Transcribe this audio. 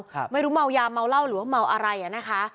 ไม่รู้เมายาเมาเหล้าหรือว่าเมาอะไรอ่ะนะคะ